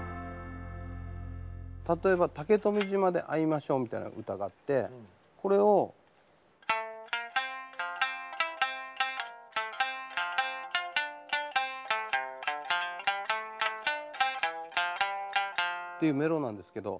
例えば「竹富島で会いましょう」みたいな歌があってこれを。っていうメロなんですけど。